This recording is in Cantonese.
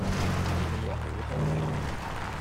依味野好開胃